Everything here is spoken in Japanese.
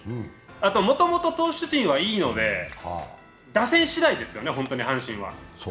あと、もともと投手陣はいいので、打線次第ですよね、ホントに阪神は。